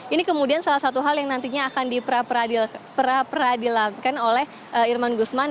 ini kemudian salah satu hal yang nantinya akan di pra peradilkan oleh irman gusman